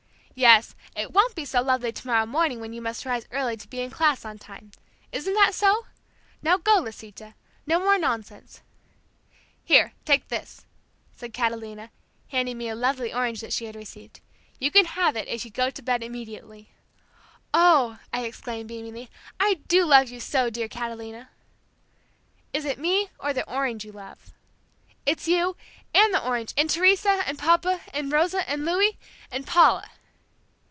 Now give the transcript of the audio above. "Yes, it won't be so lovely tomorrow morning when you must rise early to be in class on time. Isn't that so? Now go, Lisita! No more nonsense!" "Here, take this," said Catalina, handing me a lovely orange that she had received; "You can have it if you go to bed immediately!" "Oh," I exclaimed beamingly; "I do love you so, dear Catalina." "Is it me or the orange that you love?" "It's you, and the orange, and Teresa, and Papa, and Rosa, and Louis, and Paula."